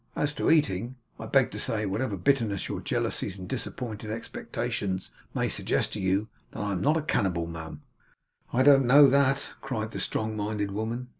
As to eating, I beg to say, whatever bitterness your jealousies and disappointed expectations may suggest to you, that I am not a cannibal, ma'am.' 'I don't know that!' cried the strong minded woman.